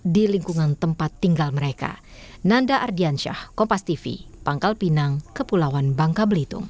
di lingkungan tempat tinggal mereka